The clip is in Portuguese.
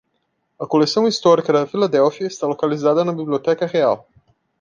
A coleção histórica da Filadélfia está localizada na Biblioteca Real.